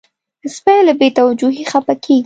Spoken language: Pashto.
سپي له بې توجهۍ خپه کېږي.